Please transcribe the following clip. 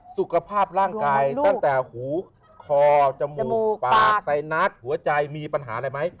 สุขภาพร่างกายตั้งแต่หูคอจมูกปากไซนัสหัวใจมีปัญหาอะไรไหม